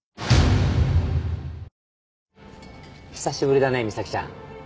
久しぶりだね美咲ちゃん。